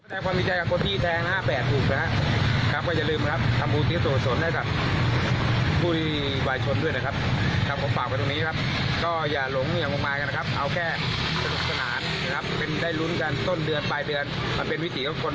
อยากมีอยากมั่งมาแล้ว